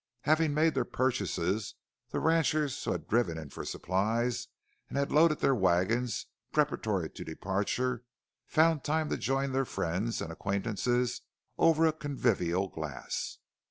Having made their purchases the ranchers who had driven in for supplies and had loaded their wagons preparatory to departure found time to join their friends and acquaintances over a convivial glass.